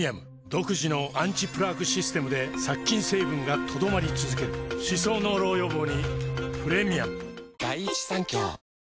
独自のアンチプラークシステムで殺菌成分が留まり続ける歯槽膿漏予防にプレミアム